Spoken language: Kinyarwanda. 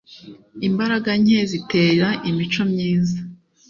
imbaraga nke zitera imico myiza